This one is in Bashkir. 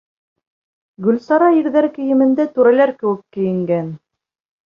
Гөлсара ирҙәр кейемендә, түрәләр кеүек кейенгән.